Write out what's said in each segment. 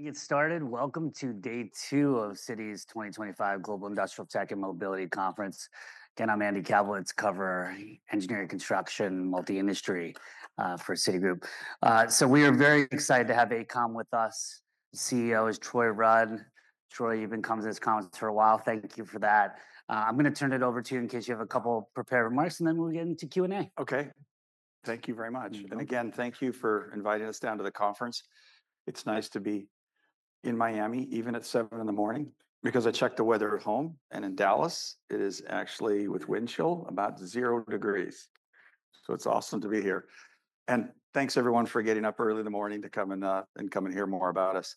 Get started. Welcome to day two of Citi's 2025 Global Industrial Tech and Mobility Conference. Again, I'm Andy Kaplowitz, cover engineering, construction, multi industry for Citigroup, so we are very excited to have AECOM with us. CEO is Troy Rudd. Troy, you've been coming to this conference for a while. Thank you for that. I'm going to turn it over to you in case you have a couple prepared remarks and then we'll get into Q&A. Okay, thank you very much and again, thank you for inviting us down to the conference. It's nice to be in Miami even at 7:00 A.M. because I checked the weather at home and in Dallas it is actually with windchill about 0 degrees. So, it's awesome to be here and thanks everyone for getting up early in the morning to come and hear more about us.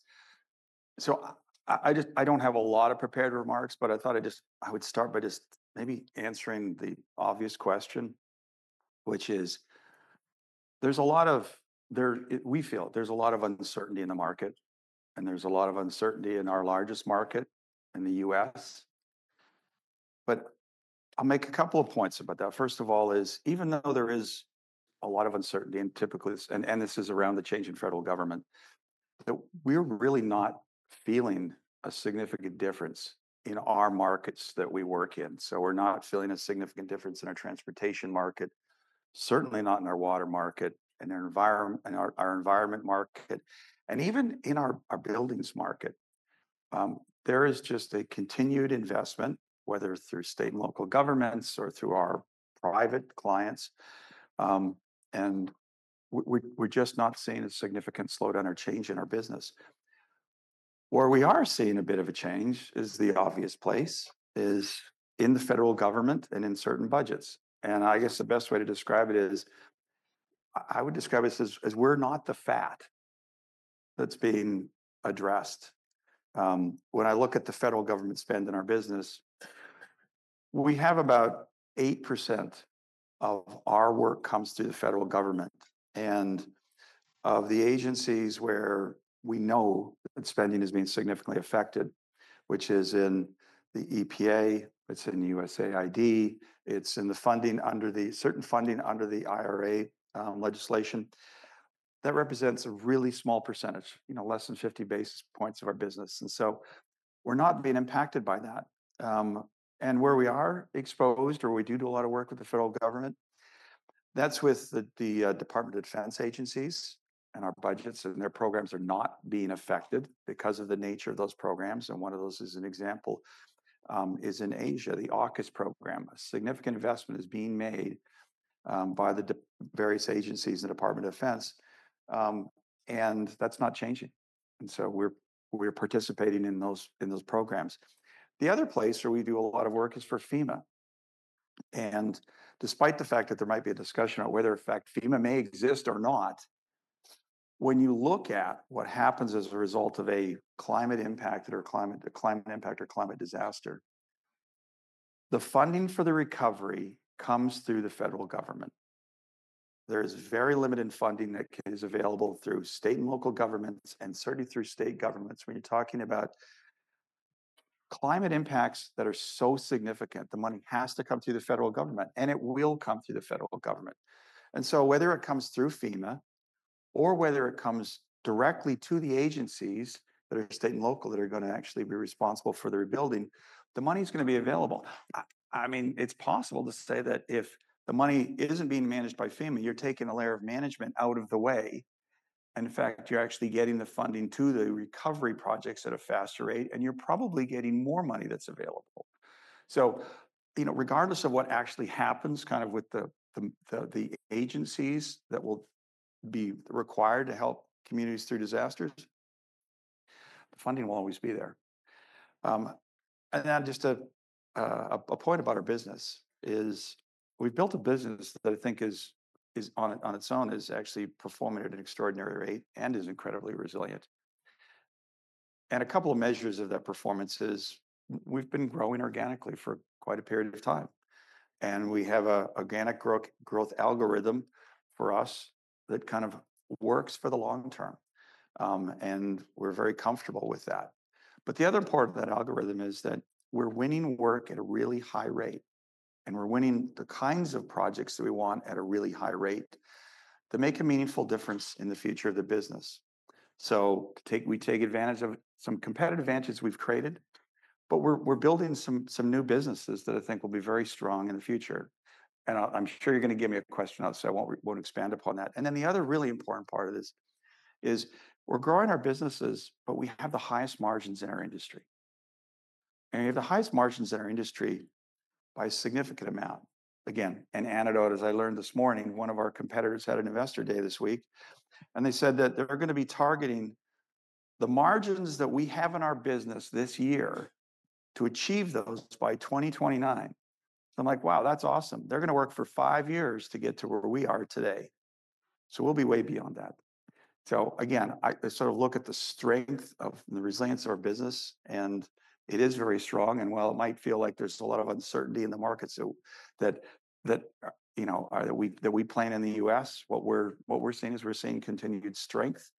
So, I just, I don't have a lot of prepared remarks, but I thought I just, I would start by just maybe answering the obvious question which is there's a lot of there. We feel there's a lot of uncertainty in the market and there's a lot of uncertainty in our largest market in the U.S. But I'll make a couple of points about that. First of all, even though there is a lot of uncertainty and typically, and this is around the change in federal government, that we're really not feeling a significant difference in our markets that we work in. So we're not feeling a significant difference in our transportation market, certainly not in our water market and our environment market and even in our buildings market. There is just a continued investment, whether through state and local governments or through our private clients. And we're just not seeing a significant slowdown or change in our business. Where we are seeing a bit of a change is the obvious place in the federal government and in certain budgets. And I guess the best way to describe it is I would describe it as we're not the fat that's being addressed. When I look at the federal government spend in our business, we have about 8% of our work comes through the federal government and of the agencies where we know that spending is being significantly affected, which is in the EPA, it's in USAID, it's in the funding under the certain funding under the IRA legislation that represents a really small percentage, you know, less than 50 basis points of our business. So we're not being impacted by that and where we are exposed or we do a lot of work with the federal government, that's with the Department of Defense agencies and our budgets and their programs are not being affected because of the nature of those programs. One of those is an example in Asia, the AUKUS program. A significant investment is being made by the various agencies in the Department of Defense. That's not changing. So we're participating in those programs. The other place where we do a lot of work is for FEMA. Despite the fact that there might be a discussion on whether in fact FEMA may exist or not, when you look at what happens as a result of a climate-impacted or climate impact or climate disaster, the funding for the recovery comes through the federal government. There is very limited funding that is available through state and local governments and certainly through state governments. When you're talking about climate impacts that are so significant, the money has to come through the federal government and it will come through the federal government. And so whether it comes through FEMA or whether it comes directly to the agencies that are state and local that are going to actually be responsible for the rebuilding, the money is going to be available. I mean, it's possible to say that if the money isn't being managed by FEMA, you're taking a layer of management out of the way. In fact, you're actually getting the funding to the recovery projects at a faster rate and you're probably getting more money that's available. So, you know, regardless of what actually happens kind of with the agencies that will be required to help communities through disasters, the funding will always be there. And now, just a point about our business is we've built a business that I think is on its own actually performing at an extraordinary rate and is incredibly resilient. And a couple of measures of that performance is we've been growing organically for quite a period of time and we have an organic growth algorithm for us that kind of works for the long term and we're very comfortable with that. But the other part of that algorithm is that we're winning work at a really high rate and we're winning the kinds of projects that we want at a really high rate that make a meaningful difference in the future of the business. So, we take advantage of some competitive advantages we've created, but we're building some new businesses that I think will be very strong in the future. And I'm sure you're going to give me a question, so I won't expand upon that. Then the other really important part of this is we're growing our businesses, but we have the highest margins in our industry. We have the highest margins in our industry by a significant amount. Again, an anecdote, as I learned this morning. One of our competitors had an investor day this week and they said that they're going to be targeting the margins that we have in our business this year to achieve those by 2029. I'm like, wow, that's awesome. They're going to work for five years to get to where we are today. So, we'll be way beyond that. So again, I sort of look at the strength of the resilience of our business and it is very strong. While it might feel like there's a lot of uncertainty in the markets that, you know, that we play in the U.S., what we're seeing is we're seeing continued strength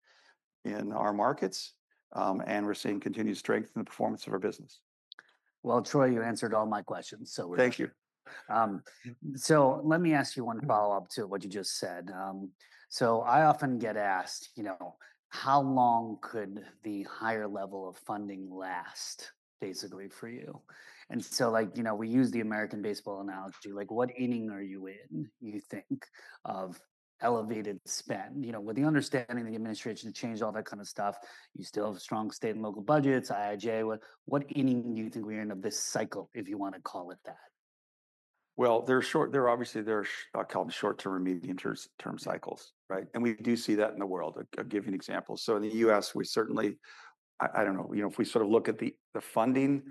in our markets and we're seeing continued strength in the performance of our business. Troy, you answered all my questions, so thank you. Let me ask you one follow-up to what you just said. I often get asked, you know, how long could the higher level of funding last basically for you? And so like, you know, we use the American baseball analogy, like what inning are you in? You think of elevated spend, you know, with the understanding the administration to change, all that kind of stuff. You still have strong state and local budgets. IIJA, what inning do you think we're in of this cycle, if you want to call it that? They're short. They're obviously they're called short term or medium term cycles. Right. We do see that in the world, giving examples. In the U.S. we certainly, I don't know, you know, if we sort of look at the funding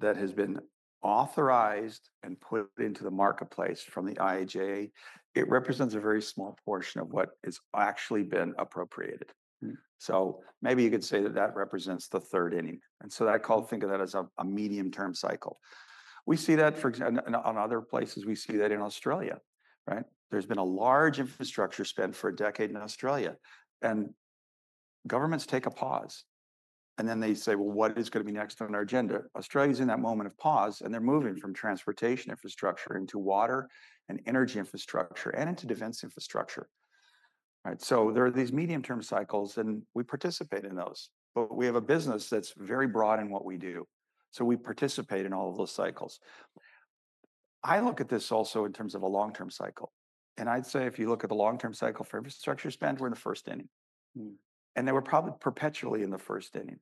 that has been authorized and put into the marketplace from the IIJA, it represents a very small portion of what's been appropriated. So maybe you could say that that represents the third inning. And so that's called. Think of that as a medium term cycle. We see that, for example, in other places. We see that in Australia, right? There's been a large infrastructure spend for a decade in Australia and governments take a pause and then they say, what is going to be next on our agenda? Australia's in that moment of pause and they're moving from transportation infrastructure into water and energy infrastructure and into defense infrastructure, right, so there are these medium-term cycles and we participate in those, but we have a business that's very broad in what we do, so we participate in all of those cycles. I look at this also in terms of a long term cycle and I'd say if you look at the long term cycle for infrastructure spend, we're in the first inning and they were probably perpetually in the first inning,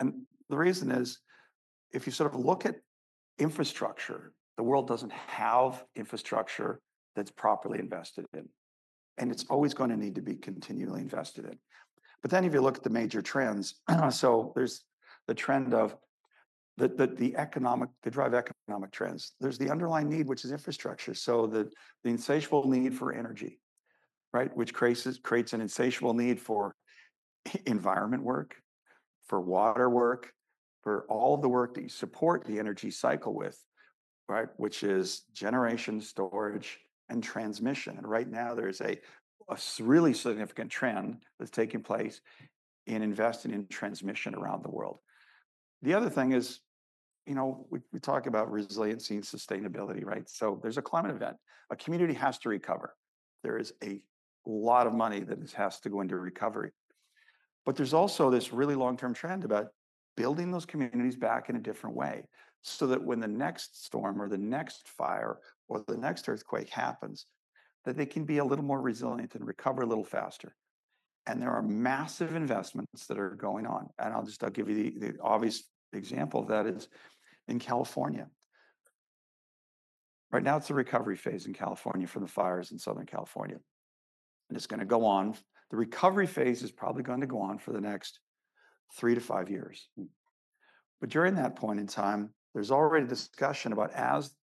and the reason is if you sort of look at infrastructure, world doesn't have infrastructure that's properly invested in and it's always going to need to be continually invested in, but then if you look at the major trends, so there's the trend of the economic to drive economic trends. There's the underlying need which is infrastructure, so the insatiable need for energy, right. Which creates an insatiable need for environment work, for water work, for all the work that you support the energy cycle with, which is generation, storage and transmission, and right now there's a really significant trend that's taking place in investing in transmission around the world. The other thing is we talk about resiliency and sustainability. There's a climate event, a community has to recover. There is a lot of money that has to go into recovery, but there's also this really long term trend about building those communities back in a different way so that when the next storm or the next fire or the next earthquake happens that they can be a little more resilient and recover a little faster, and there are massive investments that are going on. And I'll just give you the obvious example that is in California right now. It's a recovery phase in California from the fires in Southern California. And it's going to go on. The recovery phase is probably going to go on for the next three to five years. But during that point in time there's already discussion about as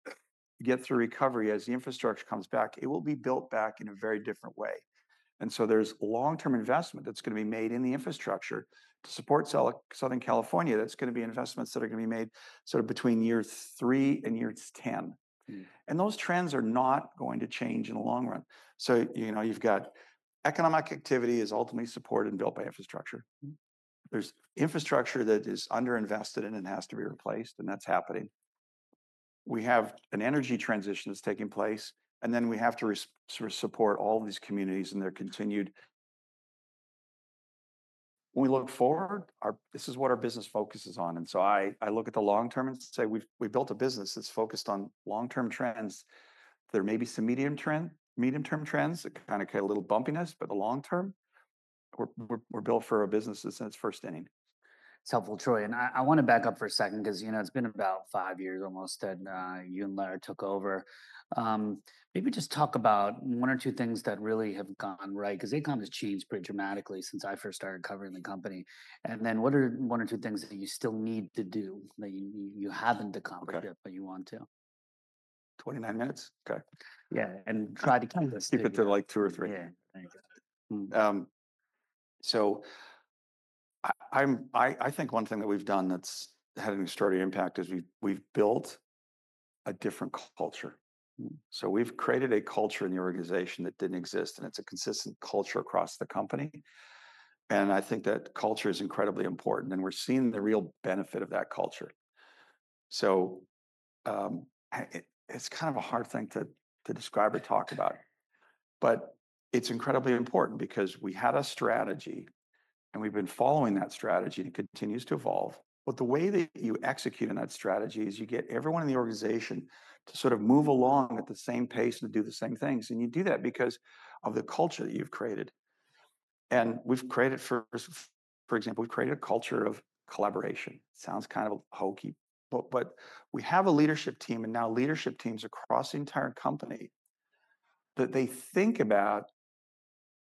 we get through recovery, as the infrastructure comes back, it will be built back in a very different way. And so there's long term investment that's going to be made in the infrastructure to support Southern California. That's going to be investments that are going to be made sort of between years three and years 10. And those trends are not going to change in the long run. So you know, you've got economic activity is ultimately supported and built by infrastructure. There's infrastructure that is underinvested in and has to be replaced and that's happening. We have an energy transition that's taking place and then we have to support all these communities and their continued. When we look forward, this is what our business focuses on. And so I look at the long term and say we've built a business that's focused on long term trends. There may be medium term trends kind of get a little bumpiness, but the long term we're built for our business in its first inning. It's helpful, Troy, and I want to back up for a second because, you know, it's been about five years almost that you and Lara took over. Maybe just talk about one or two things that really have gone right because AECOM has changed pretty dramatically since I first started covering the company. And then what are one or two things that you still need to do that you haven't accomplished it, but you want to. 29 minutes. Okay. Yeah, and try to keep this. Keep it to like two or three. So I think one thing that we've done that's had an extraordinary impact is we've built a different culture. So we've created a culture in the organization that didn't exist, and it's a consistent culture across the company. And I think that culture is incredibly important and we're seeing the real benefit of that culture. It's kind of a hard thing to describe or talk about, but it's incredibly important because we had a strategy and we've been following that strategy and it continues to evolve, but the way that you execute on that strategy is you get everyone in the organization to sort of move along at the same pace and do the same things. You do that because of the culture that you've created. We've created, first, for example, a culture of collaboration. Sounds kind of hockey, but we have a leadership team and now leadership teams across the entire company that they think about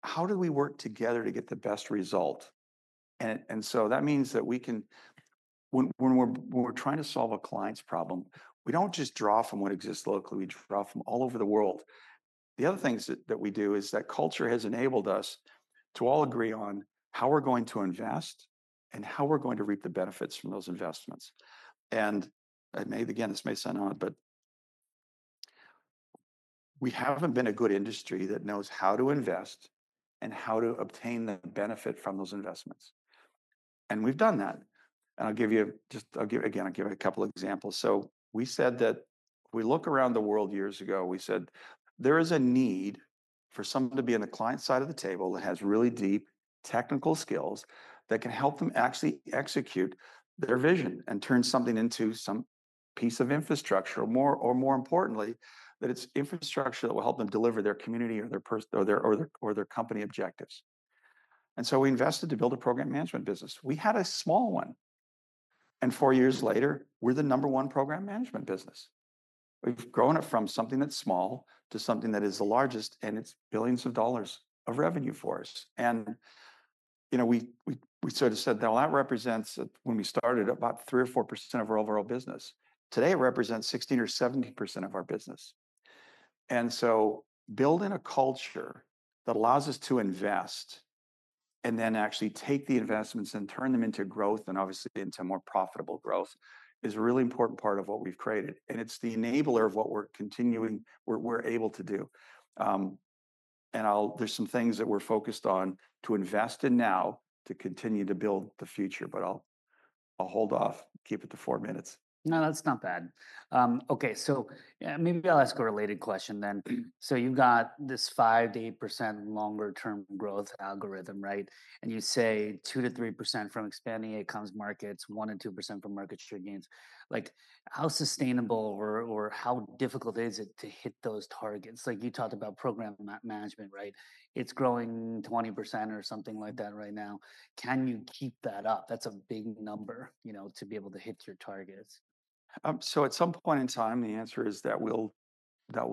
how do we work together to get the best result, and so that means that we can, when we're trying to solve a client's problem, we don't just draw from what exists locally. We draw from all over the world. The other things that we do is that culture has enabled us to all agree on how we're going to invest and how we're going to reap the benefits from those investments, and again, this may sound odd, but we haven't been a good industry that knows how to invest and how to obtain the benefit from those investments, and we've done that, and I'll give a couple examples, so we said that we look around the world years ago. We said there is a need for someone to be on the client side of the table that has really deep technical skills that can help them actually execute their vision and turn something into some piece of infrastructure, or more importantly, that it's infrastructure that will help them deliver their community or their personnel or their company objectives. So, we invested to build a program management business. We had a small one and four years later we're the number one program management business. We've grown it from something that's small to something that is the largest. And it's billions of dollars of revenue for us. And you know, we sort of said now that represents when we started, about 3%-4% of our overall business. Today it represents 16%-17% of our business. And so building a culture that allows us to invest and then actually take the investments and turn them into growth and obviously into more profitable growth is a really important part of what we've created and it's the enabler of what we're able to do. And I'll. There're some things that we're focused on to invest in now to continue to build the future, but I'll hold off. Keep it to four minutes. No, that's not bad. Okay, so maybe I'll ask a related question then. So you've got this 5%-8% longer term growth algorithm, right? And you say 2%-3% from expanding end markets, 1% or 2% from market share gains. Like, how sustainable or how difficult is it to hit those targets? Like, you talked about program management, right. It's growing 20 or something like that right now. Can you keep that up? That's a big number, you know, to be able to hit your targets. So at some point in time the answer is that will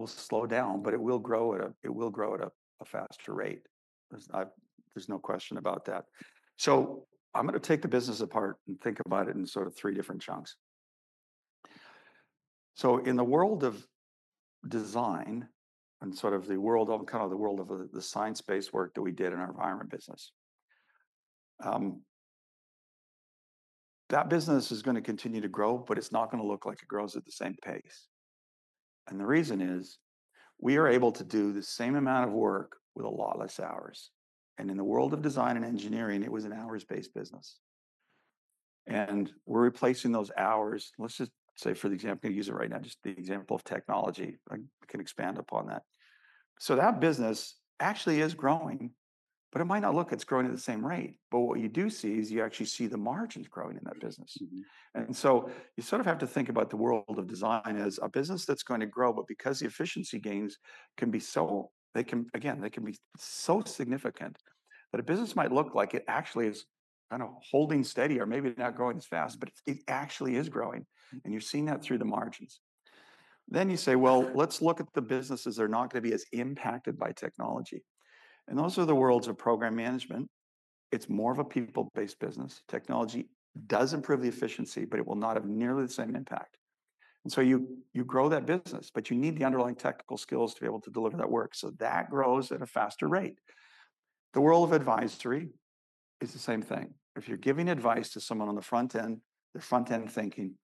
slow down, but it will grow at a faster rate. There's no question about that. So I'm going to take the business apart and think about it in sort of three different chunks. So in the world of design and sort of the world of the science based work that we did in our environment business, that business is going to continue to grow, but it's not going to look like it grows at the same pace. And the reason is we are able to do the same amount of work with a lot less hours. And in the world of design and engineering, it was an hours based business and we're replacing those hours. Let's just say, for the example, I'm going to use it right now, just the example of technology. I can expand upon that. So that business actually is growing, but it might not look like it's growing at the same rate. But what you do see is you actually see the margins growing in that business. And so you sort of have to think about the world of design as a business that's going to grow, but because the efficiency gains can be so significant that a business might look like it actually is kind of holding steady or maybe not growing as fast, but it actually is growing. And you've seen that through the margins. Then you say, well, let's look at the businesses that are not going to be as impacted by technology. And those are the worlds of program management. It's more of a people business. Technology does improve the efficiency, but it will not have nearly the same impact. And so you grow that business but you need the underlying technical skills to be able to deliver that work. So that grows at a faster rate. The world of advisory is the same thing. If you're giving advice to someone on the front end, the front end thinking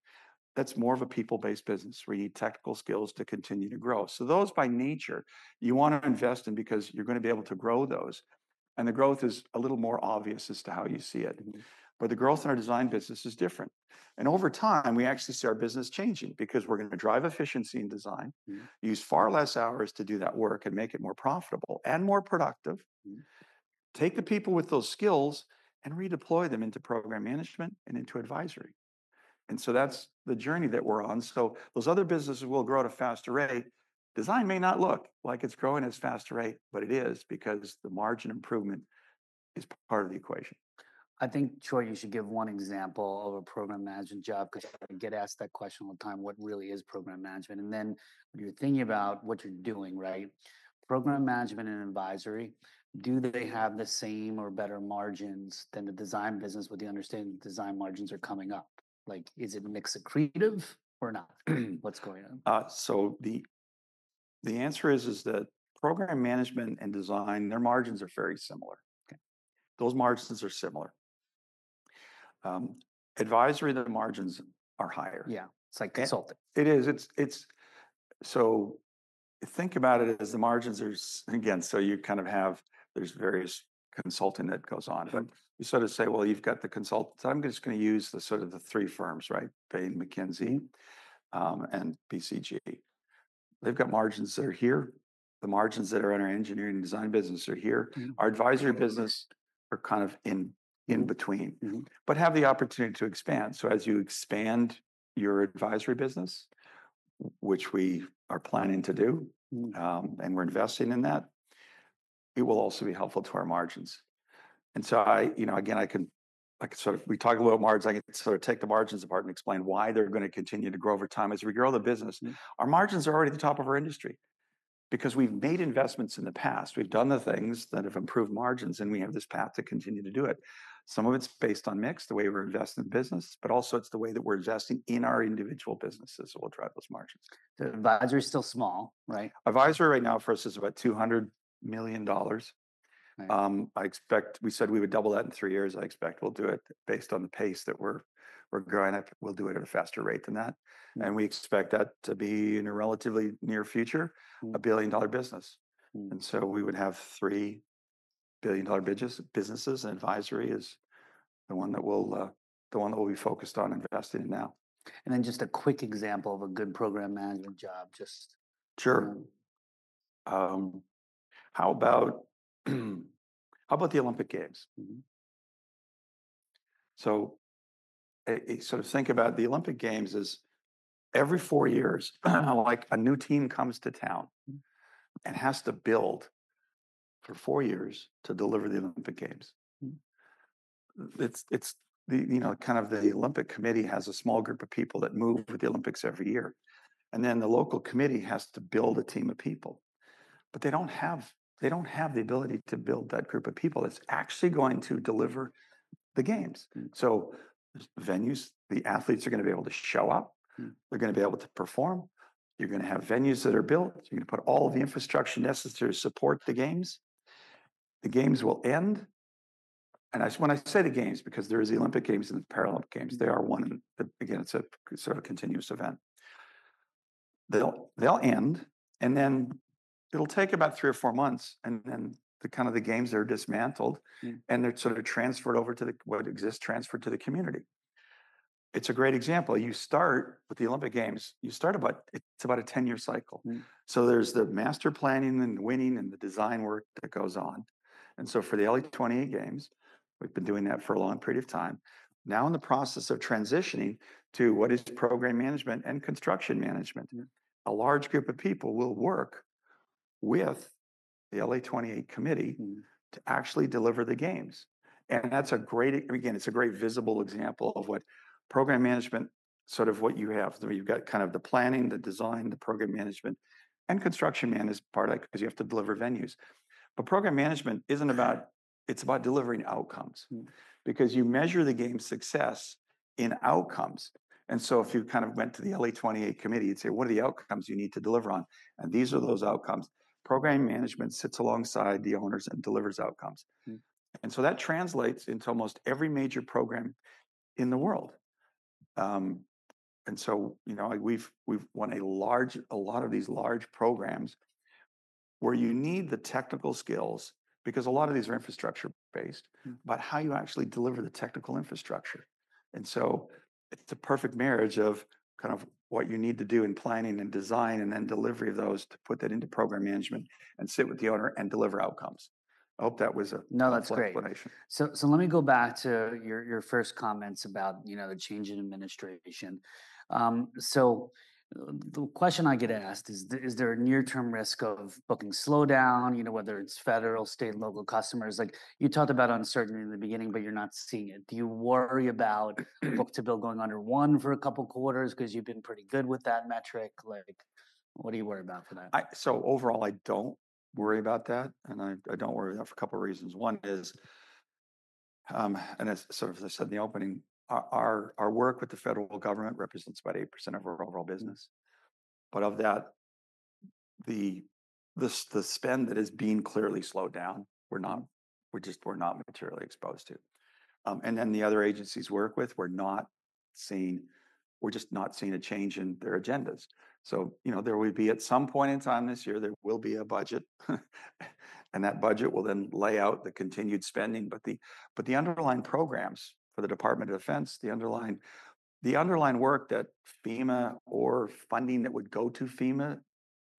that's more of a people-based business where you need technical skills to continue to grow. So those by nature you want to invest in because you're going to be able to grow those. And the growth is a little more obvious as to how you see it. But the growth in our design business is different. And over time we actually see our business changing because we're going to drive efficiency in design, use far less hours to do that work and make it more profitable and more productive. Take the people with those skills and redeploy them into program management and into advisory. And so that's the journey that we're on. So those other businesses will grow at a faster rate. Design may not look like it's growing as fast rate, but it is because the margin improvement is part of the equation. I think Troy, you should give one example of a program management job because I get asked that question all the time, what really is program management? And then when you're thinking about what you're doing, right, what program management and advisory, do they have the same or better margins than the design business? With the understanding design margins are coming up like is it mix accretive or not? What's going on? The answer is that program management and design, their margins are very similar. Those margins are similar advisory, the margins are higher. Yeah, it's like consultant. It's. So think about it as the margins are again, so you kind of have, there's various consulting that goes on but you sort of say well you've got the consultants, I'm just going to use the sort of the three firms, right, Bain, McKinsey and BCG, they've got margins that are here. The margins that are in our engineering design business are here, our advisory business are kind of in between but have the opportunity to expand. So, as you expand your advisory business, which we are planning to do and we're investing in that, it will also be helpful to our margins. And so I, you know, again, I can sort of, we talk a little margins. I can sort of take the margins apart and explain why they're going to continue to grow over time as we grow the business. Our margins are already the top of our industry because we've made investments in the past, we've done the things that have improved margins and we have this path to continue to do it. Some of it's based on mix the way we're investing in business but also it's the way that we're investing in our individual businesses that will drive those margins. The advisory is still small, right? Advisory right now for us is about $200 million. I expect we said we would double that in three years. I expect we'll do it based on the pace that we're growing, we'll do it at a faster rate than that. And we expect that to be in a relatively near future. A $1 billion business. And so we would have three $1 billion businesses and advisory is the one that will be focused on investing in now And then. Just a quick example of a good program management job. Just sure. How about the Olympic Games? Sort of think about the Olympic Games is every four years like a new team comes to town and has to build for four years to deliver the Olympic Games. It's the, you know, kind of the Olympic Committee has a small group of people that move with the Olympics every year. And then the local committee has to build a team of people, but they don't have the ability to build that group of people that's actually going to deliver the Games. So, venues, the athletes are going to be able to show up, they're going to be able to perform. You're going to have venues that are built. You're going to put all the infrastructure necessary to support the Games. The Games will end. When I say the Games because there is the Olympic Games and the Paralympic Games, they are one. Again, it's a sort of continuous event. They'll end and then it'll take about three or four months and then the Games are dismantled and they're sort of transferred over to what exists, transferred to the community. It's a great example. You start with the Olympic Games. It's about a 10 year cycle. So there's the master planning and winning and the design work that goes on. For the LA28 Games, we've been doing that for a long period of time now in the process of transitioning to what is program management and construction management. A large group of people will work with the LA28 committee to actually deliver the Games. And that's a great, again, it's a great visible example of what program management, sort of what you have. You've got kind of the planning, the design, the program management and construction management is part of it because you have to deliver venues. But program management isn't about, it's about delivering outcomes because you measure the game's success in outcomes. And so if you kind of went to the LA28 committee, you'd say what are the outcomes you need to deliver on? And these are those outcomes. Program management sits alongside the owners and delivers outcomes. And so that translates into almost every major program in the world. And so, you know, we've won a lot of these large programs where you need the technical skills because a lot of these are infrastructure based, but how you actually deliver the technical infrastructure. And so it's a perfect marriage of kind of what you need to do in planning and design and then delivery of those to put that into program management and sit with the owner and deliver outcomes. I hope that was an explanation. So, let me go back to your first comments about, you know, the change in admin. The question I get asked is, is there a near-term risk of booking slowdown? You know, whether it's federal, state and local customers like you talked about uncertainty in the beginning, but you're not seeing it. Do you worry about book-to-bill going under one for a couple quarters? Because you've been pretty good with that metric. Like what do you worry about for that? So overall I don't worry about that and I don't worry for a couple reasons. One is, and as sort of, as I said in the opening, our, our work with the federal government represents about 8% of our overall business. But of that, the, this, the spend that has been clearly slowed down, we're not, we're just, we're not materially exposed to. And then the other agencies work with, we're not seeing, we're just not seeing a change in their agendas. So you know, there will be, at some point in time this year there will be a budget and that budget will then lay out the continued spending. But the, but the underlying programs for the Department of Defense, the underlying work that FEMA or funding that would go to FEMA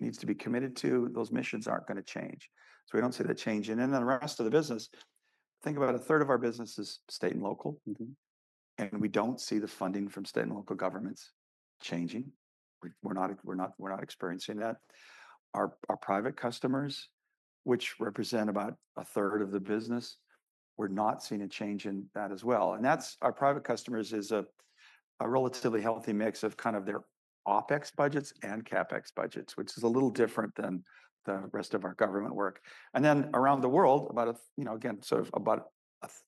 needs to be committed to, those missions aren't going to change. So we don't see that change. And then the rest of the business. Think about a third of our business is state and local, and we don't see the funding from state and local governments changing. We're not experiencing that. Our private customers, which represent about a third of the business, we're not seeing a change in that as well. And that's our private customers is a relatively healthy mix of kind of their OpEx budgets and CapEx budgets, which is a little different than the rest of our government work. And then around the world about, you know, again, sort of about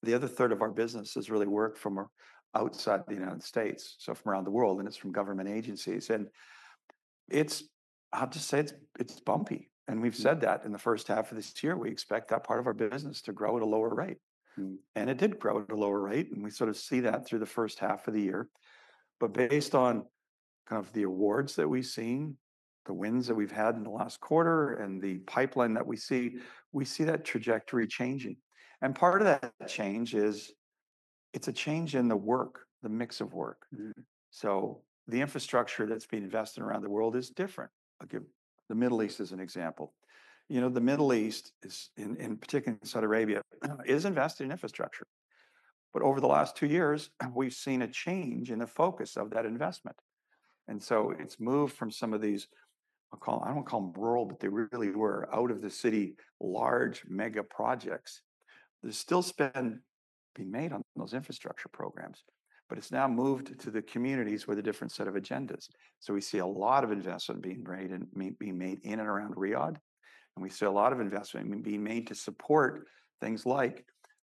the other third of our businesses really work from outside the United States. So from around the world, and it's from government agencies. And it's hard to say. It's bumpy. And we've said that in the first half of this year, we expect that part of our business to grow at a lower rate. And it did grow at a lower rate. And we sort of see that through the first half of the year. But based on kind of the awards that we've seen, the wins that we've had in the last quarter and the pipeline that we see, we see that trajectory changing. And part of that change is it's a change in the work, the mix of work. So, the infrastructure that's been invested around the world is different. I'll give the Middle East as an example. You know, the Middle East is, in particular, Saudi Arabia is invested in infrastructure, but over the last two years, we've seen a change in the focus of that investment. And so it's moved from some of these. I don't call them rural, but they really were out of the city, large mega projects. There's still spend being made on those infrastructure programs, but it's now moved to the communities with a different set of agendas. So we see a lot of investment being made in and around Riyadh. And we see a lot of investment being made to support things like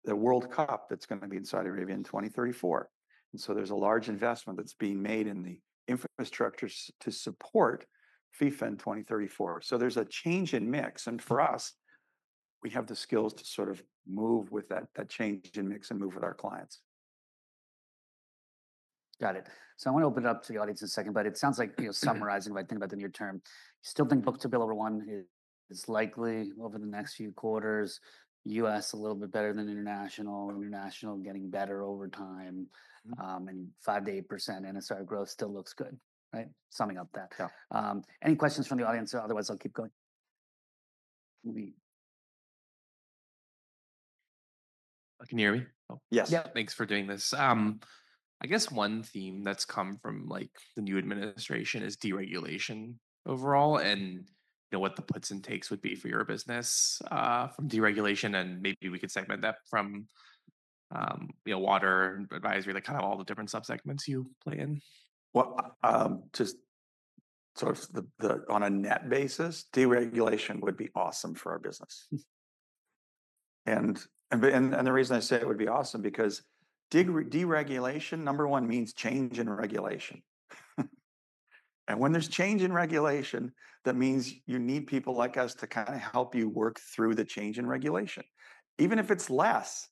the World Cup that's going to be in Saudi Arabia in 2034. And so there's a large investment that's being made in the infrastructure to support FIFA in 2034. So there's a change in mix. And for us, we have the skills to sort of move with that change in mix and move with our clients. Got it. So I want to open it up to the audience in a second. But it sounds like summarizing, right? Think about the near term. You still think book-to-bill over 1. It's likely over the next few quarters, U.S. a little bit better than international. International getting better over time and 5% to 8% NSR growth still looks good. Right. Summing up that, any questions from the audience? Otherwise I'll keep going. Can you hear me? Yes, Thanks for doing this. I guess one theme that's come from the new administration is deregulation overall and what the puts and takes would be for your business from deregulation and maybe we could segment that from water advisory like kind of all the different sub segments you play in. Just so on a net basis, deregulation would be awesome for our business. The reason I say it would be awesome because deregulation number one means change in regulation. When there's change in regulation, that means you need people like us to kind of help you work through the change in regulation. Even if it's less,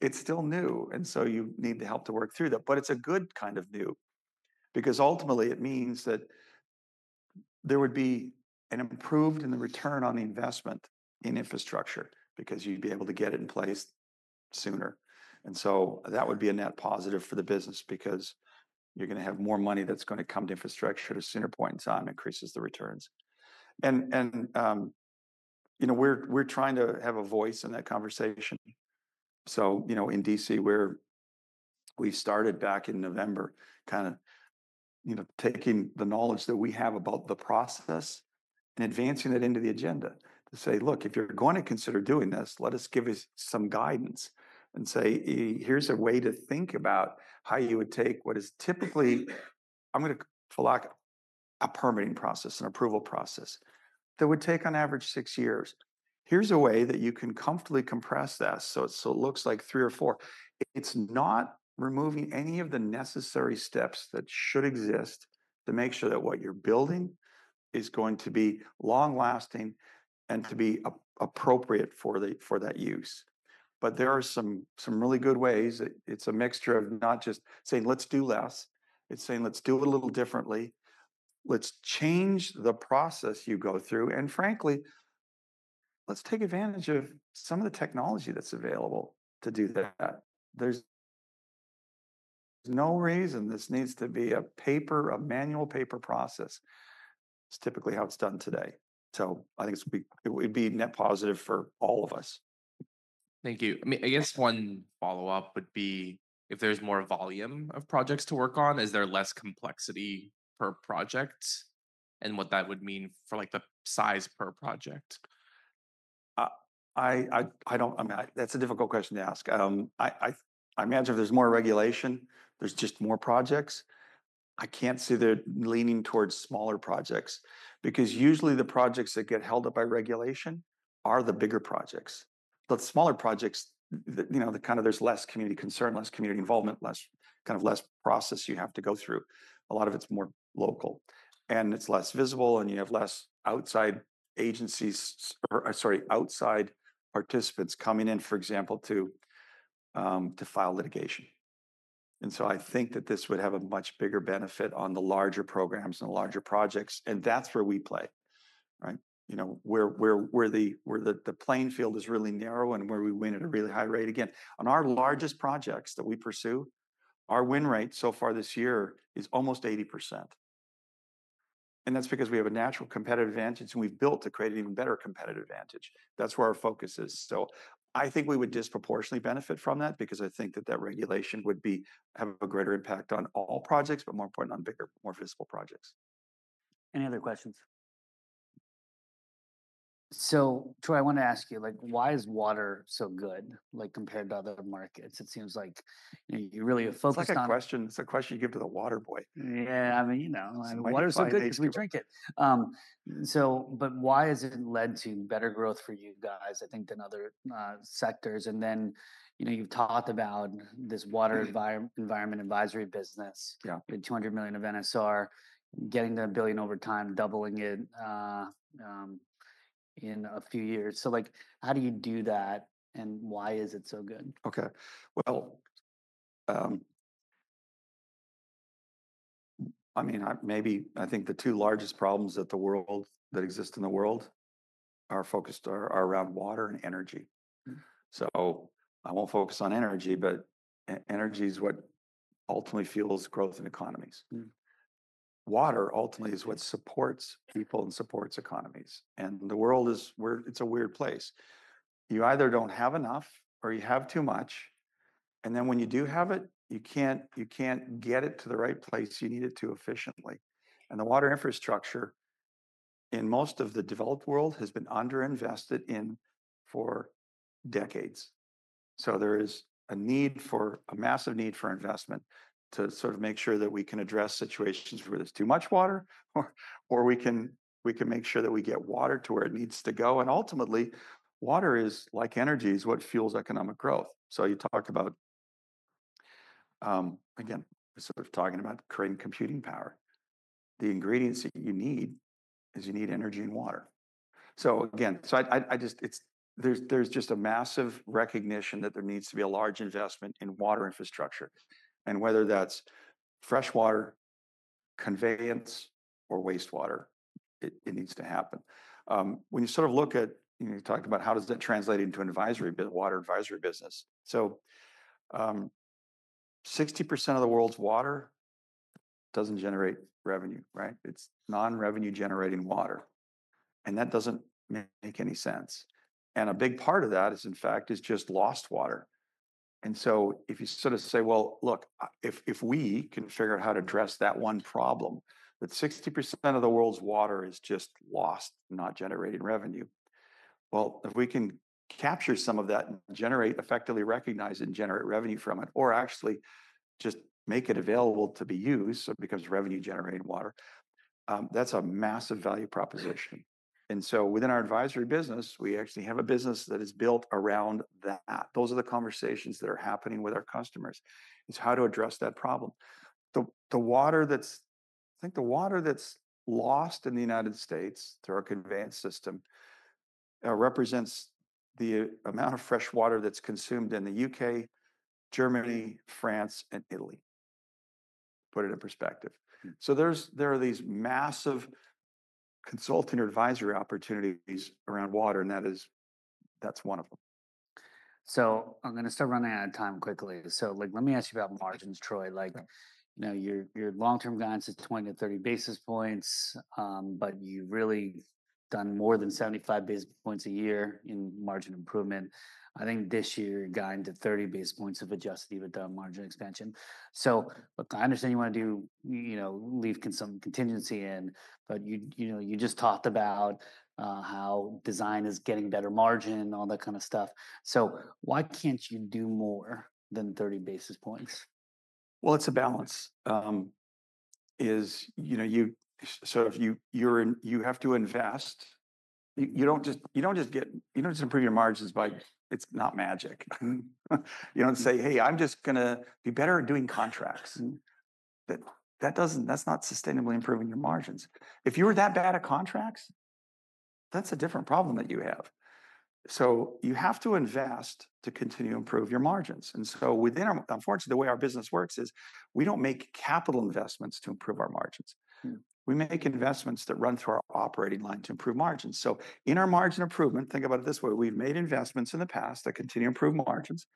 it's still new and so you need to help to work through that. But it's a good kind of new because ultimately it means that there would be an improvement in the return on the investment in infrastructure because you'd be able to get it in place sooner. And so that would be a net positive for the business because you're going to have more money that's going to come to infrastructure at a sooner point in time, increases the returns and you know, we're trying to have a voice in that conversation. So you know, in D.C. where we started back in November, kind of, you know, taking the knowledge that we have about the process and advancing it into the agenda to say, look, if you're going to consider doing this, let us give some guidance and say here's a way to think about how you would take what is typically a permitting process, an approval process that would take on average six years. Here's a way that you can comfortably compress that so it looks like three or four. It's not removing any of the necessary steps that should exist to make sure that what you're building is going to be long lasting and to be appropriate for the, for that use. But there are some really good ways. It's a mixture of not just saying let's do less, it's saying let's do it a little differently, let's change the process you go through and frankly let's take advantage of some of the technology that's available to do that. There's no reason this needs to be a manual paper process. It's typically how it's done today. So I think it would be net positive for all of us. Thank you. I mean, I guess one follow up would be if there's more volume of projects to work on, is there less complexity per project and what that would mean for like the size per project? I don't, I mean that's a difficult question to ask. I imagine if there's more regulation, there's just more projects. I can't see the leaning towards smaller projects because usually the projects that get held up by regulation are the bigger projects. The smaller projects, you know, the kind of, there's less community concern, less community involvement, less kind of process you have to go through. A lot of it's more local and it's less visible and you have less outside agencies or sorry, outside participants coming in, for example, to file litigation. And so I think that this would have a much bigger benefit on the larger programs and larger projects. And that's where we play. Right. You know, where the playing field is really narrow and where we win at a really high rate again on our largest projects that we pursue. Our win rate so far this year is almost 80%. That's because we have a natural competitive advantage and we've built to create an even better competitive advantage. That's where our focus is. I think we would disproportionately benefit from that because I think that regulation would have a greater impact on all projects but more important on bigger, more visible projects. Any other questions? So I want to ask you, like, why is water so good like compared to other markets? It seems like you really focus on water. It's a question you give to the water boy. Yeah, I mean, you know, water so. Good because we drink it. But why has it led to better growth for you guys, I think than other sectors? Then, you know, you've talked about this water environment advisory business. Yeah, the $200 million of NSR getting to the $1 billion over time, doubling it in a few years. Like, how do you do that and why is it so good? Okay, well, I mean, maybe I think the two largest problems that exist in the world are focused around water and energy. I won't focus on energy, but energy is what ultimately fuels growth in economies. Water ultimately is what supports people and supports economies. The world is a weird place. You either don't have enough or you have too much. Then when you do have it, you can't get it to the right place you need it efficiently. The water infrastructure in most of the developed world has been underinvested in for decades. There is a massive need for investment to sort of make sure that we can address situations where there's too much water or we can make sure that we get water to where it needs to go. Ultimately water is like energy is what fuels economic growth. You talk about, again sort of talking about creating computing power. The ingredients that you need is you need energy and water. Again, I just, it's, there's just a massive recognition that there needs to be a large investment in water infrastructure. Whether that's fresh water conveyance or wastewater, it needs to happen. When you sort of look at, you know, you talked about how does that translate into an advisory water advisory business? So 60% of the world's water doesn't generate revenue. Right? It's non-revenue-generating water. That doesn't make any sense. A big part of that is in fact just lost water. And so if you sort of say, well look, if we can figure out how to address that one problem, that 60% of the world's water is just lost, not generating revenue. Well, if we can get, capture some of that and generate, effectively recognize and generate revenue from it or actually just make it available to be used so it becomes revenue generating water, that's a massive value proposition. And so within our advisory business, we actually have a business that is built around that. Those are the conversations that are happening with our customers. It's how to address that problem. I think the water that's lost in the United States through our conveyance system represents the amount of fresh water that's consumed in the U.K., Germany, France and Italy. Put it in perspective. So there are these massive consulting advisory opportunities around water and that's one of them. So I'm going to start running out of time quickly. So, like, let me ask you about margins, Troy. Like, you know, your long-term guidance is 20-30 basis points, but you really done more than 75 basis points a year in margin improvement. I think this year, guiding to 30 basis points of Adjusted EBITDA margin expansion. So, look, I understand you want to do, you know, leave some contingency in, but you, you know, you just talked about how design is getting better margin, all that kind of stuff. So why can't you do more than 30 basis points? Well, it's a balance, you know, you sort of. You're in. You have to invest. You don't just improve your margins by. It's not magic. You don't say, hey, I'm just gonna be better at doing contracts. That doesn't. That's not sustainably improving your margins. If you were that bad at contracts, that's a different problem that you have. So you have to invest to continue to improve your margins. And so within our. Unfortunately, the way our business works is we don't make capital investments to improve our margins. We make investments that run through our operating line to improve margins. So, in our margin improvement, think about it this way. We've made investments in the past that continue to improve margins.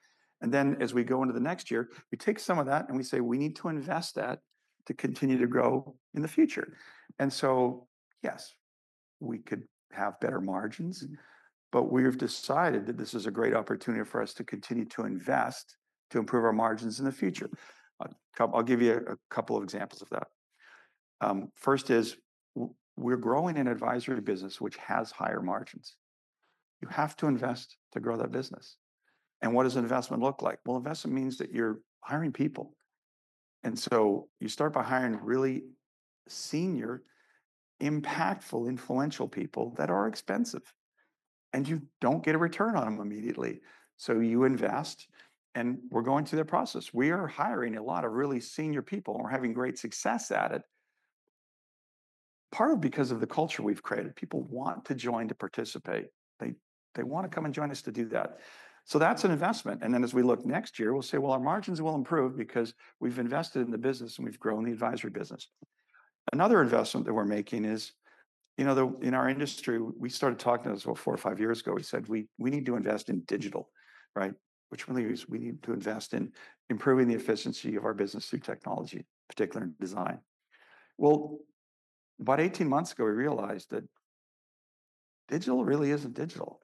Then as we go into the next year, we take some of that and we say we need to invest that to continue to grow in the future. And so, yes, we could have better margins, but we've decided that this is a great opportunity for us to continue to invest to improve our margins in the future. I'll give you a couple of examples of that. First is we're growing an advisory business which has higher margins. You have to invest to grow that business. And what does an investment look like? Well, investment means that you're hiring people. And so you start by hiring really senior, impactful, influential people that are expensive and you don't get a return on them immediately. So you invest. And we're going through their process. We are hiring a lot of really senior people, and we're having great success at it. Part of. Because of the culture we've created, people want to join to participate. They want to come and join us to do that. So that's an investment. And then as we look next year, we'll say, well, our margins will improve because we've invested in the business and we've grown the advisory business. Another investment that we're making is, you know, in our industry. We started talking to us about four or five years ago. We said, we need to invest in digital, right? Which really, we need to invest in improving the efficiency of our business through technology, particular design. Well, about 18 months ago, we realized that digital really isn't digital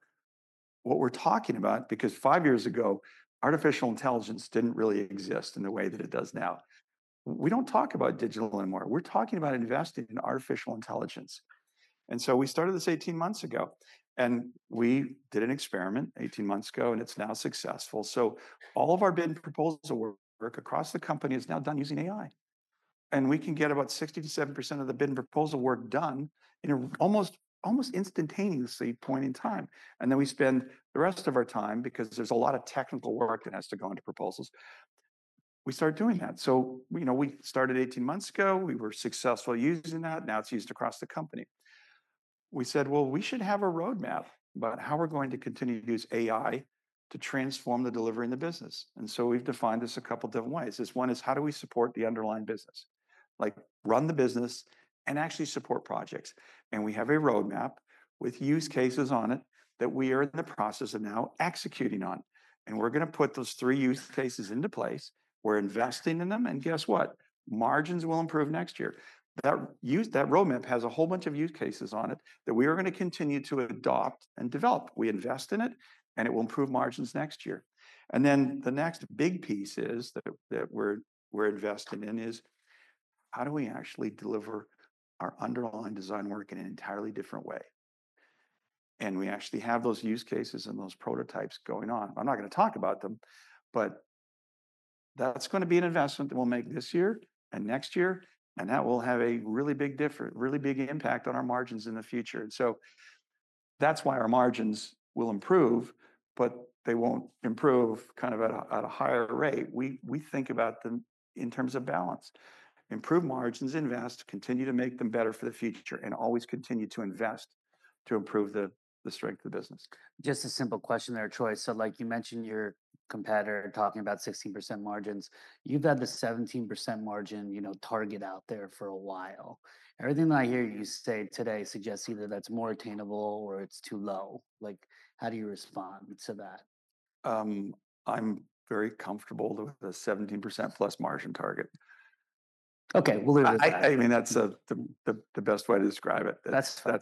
what we're talking about, because five years ago, artificial intelligence didn't really exist in the way that it does now. We don't talk about digital anymore. We're talking about investing in artificial intelligence. And so we started this 18 months ago, and we did an experiment 18 months ago, and it's now successful. So all of our bid and proposal work across the company is now done using AI. And we can get about 60%-70% of the bid and proposal work done in an almost, almost instantaneously point in time. And then we spend the rest of our time because there's a lot of technical work that has to go into proposals, we start doing that. So, you know, we started 18 months ago, we were successful using that. Now it's used across the company. We said, well, we should have a roadmap about how we're going to continue to use AI to transform the delivery in the business. And so we've defined this a couple different ways. This one is how do we support the underlying business, like run the business and actually support projects, and we have a roadmap with use cases on it that we are in the process of now executing on, and we're going to put those three use cases into place. We're investing in them, and guess what? Margins will improve next year. That roadmap has a whole bunch of use cases on it that we are going to continue to adopt and develop. We invest in it and it will improve margins next year, and then the next big piece is that we're investing in is how do we actually deliver our underlying design work in an entirely different way, and we actually have those use cases and those prototypes going on. I'm not going to talk about them, but that's going to be an investment that we'll make this year and next year. And that will have a really big difference, really big impact on our margins in the future. And so that's why our margins will improve, but they won't improve kind of at a higher rate. We think about them in terms of balance, improve margins, invest, continue to make them better for the future, and always continue to invest to improve the strength of the business. Just a simple question there, Troy. So like you mentioned your competitor talking about 16% margins, you've had the 17% margin, you know, target out there for a while. Everything that I hear you say today suggests either that's more attainable or it's too low. Like, how do you respond to that? I'm very comfortable with a 17%+ margin target. Okay. I mean, that's the best way to describe it. That's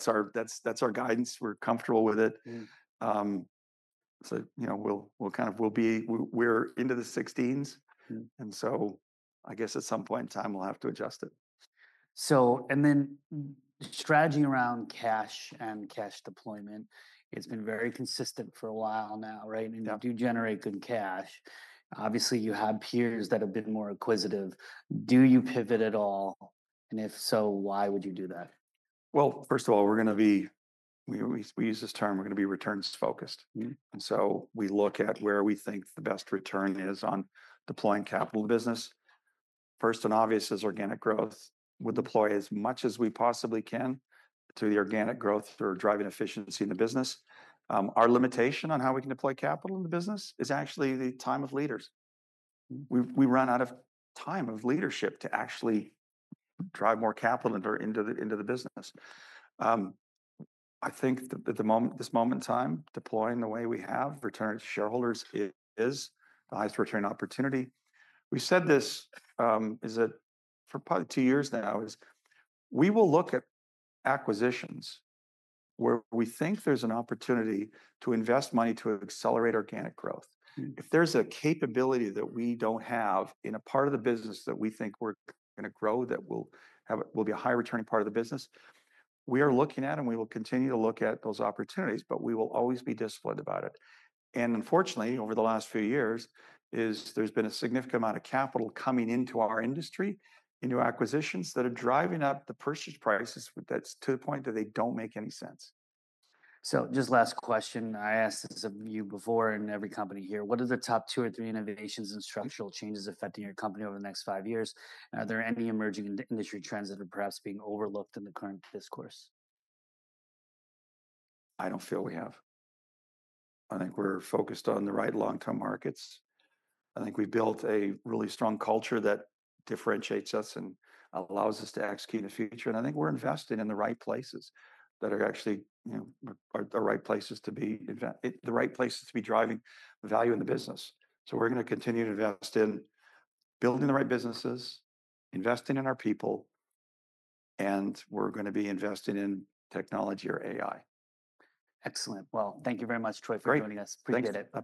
our guidance. We're comfortable with it. So, you know, we're into the 16s and so I guess at some point in time we'll have to adjust it. So, and then, strategy around cash and cash deployment. It's been very consistent for a while now, right? And do generate good cash. Obviously, you have peers that have been more acquisitive. Do you pivot at all, and if so, why would you do that? First of all, we're going to be returns focused. We use this term. And so we look at where we think the best return is on deploying capital. Business first and obvious is organic growth. We'll deploy as much as we possibly can to the organic growth or driving efficiency in the business. Our limitation on how we can deploy capital in the business is actually the time of leaders. We run out of time of leadership to actually drive more capital into the business. I think at the moment, this moment in time, deploying the way we have, returning to shareholders, is the highest return opportunity. We've said this for probably two years now, that we will look at acquisitions where we think there's an opportunity to invest money to accelerate organic growth. If there's a capability that we don't have in a part of the business that we think we're going to grow that will be a high returning part of the business we are looking at. We will continue to look at those opportunities but we will always be disciplined about it. Unfortunately over the last few years there's been a significant amount of capital coming into our industry into acquisitions that are driving up the purchase prices. That's to the point that they don't make any sense. So just last question I asked you before, in every company here, what are the top two or three innovations and structural changes affecting your company over the next five years? Are there any emerging industry trends that are perhaps being overlooked in the current discourse? I don't feel we have. I think we're focused on the right long-term markets. I think we built a really strong culture that differentiates us and allows us to execute in the future. I think we're invested in the right places that are actually, you know, the right places to be driving value in the business. We're going to continue to invest in building the right businesses, investing in our people, and we're going to be investing in technology or AI. Excellent. Well, thank you very much, Troy, for joining us. Appreciate it.